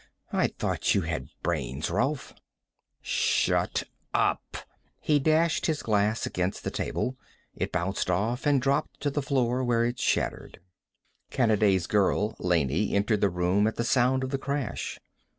I thought you had brains, Rolf!" "Shut up!" He dashed his glass against the table; it bounced off and dropped to the floor, where it shattered. Kanaday's girl Laney entered the room at the sound of the crash.